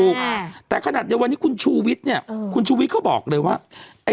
ถูกแต่ขนาดวันนี้คุณชูวิทย์เนี่ยคุณชูวิทย์เขาบอกเลยว่า